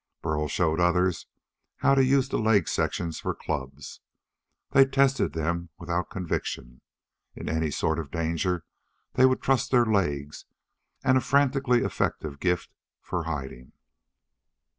Burl showed others how to use the leg sections for clubs. They tested them without conviction. In any sort of danger, they would trust to their legs and a frantically effective gift for hiding.